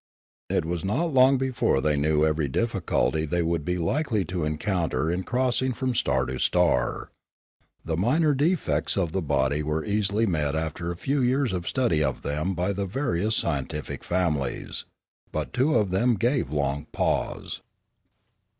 It was not long before they knew every diffi culty they would be likely to encounter in crossing from star to star. The minor defects of the body were easily met after a few years' study of them by the vari ous scientific families. But two gave them long pause.